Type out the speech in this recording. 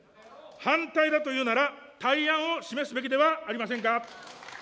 反対だというなら、対案を示すべきではありませんか。